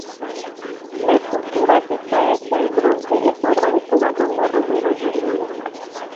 La escultura, que está hecha en bronce, es obra de Covadonga Romero Rodríguez.